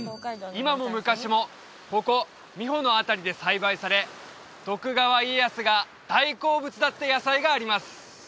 今も昔もここ三保の辺りで栽培され徳川家康が大好物だった野菜があります